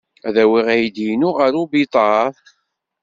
Ad awiɣ aydi-inu ɣer ubiḍar.